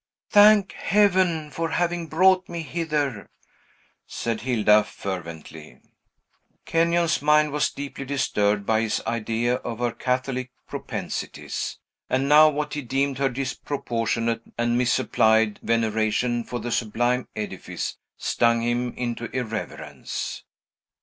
"Thank Heaven for having brought me hither!" said Hilda fervently. Kenyon's mind was deeply disturbed by his idea of her Catholic propensities; and now what he deemed her disproportionate and misapplied veneration for the sublime edifice stung him into irreverence.